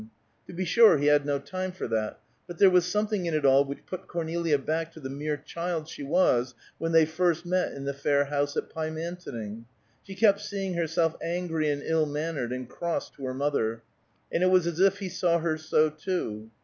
To be sure, he had no time for that; but there was something in it all which put Cornelia back to the mere child she was when they first met in the Fair House at Pymantoning; she kept seeing herself angry and ill mannered and cross to her mother, and it was as if he saw her so, too.